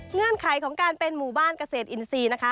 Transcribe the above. เงื่อนไขของการเป็นหมู่บ้านเกษตรอินทรีย์นะคะ